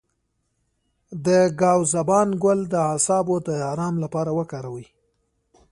د ګاو زبان ګل د اعصابو د ارام لپاره وکاروئ